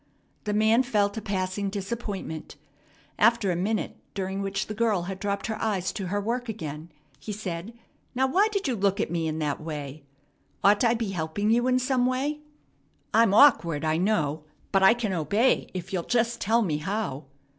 The man felt a passing disappointment. After a minute, during which the girl had dropped her eyes to her work again, he said: "Now, why did you look at me in that way? Ought I to be helping you in some way? I'm awkward, I know, but I can obey if you'll just tell me how."